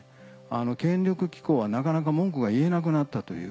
権力機構はなかなか文句が言えなくなったという。